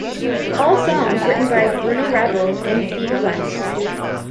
All songs written by Bruno Ravel and Steve West.